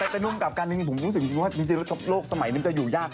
ไม่หรอกแต่นุ่มกับการนึงผมคิดว่าจริงทบโลกสมัยนึงจะอยู่ยาก